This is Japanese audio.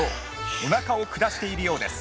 おなかを下しているようです。